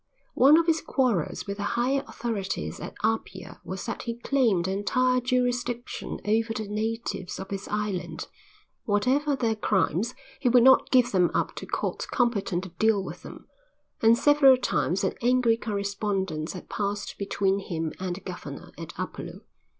One of his quarrels with the higher authorities at Apia was that he claimed entire jurisdiction over the natives of his island. Whatever their crimes he would not give them up to courts competent to deal with them, and several times an angry correspondence had passed between him and the Governor at Upolu.